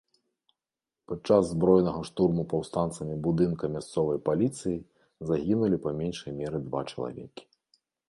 Падчас збройнага штурму паўстанцамі будынка мясцовай паліцыі загінулі па меншай меры два чалавекі.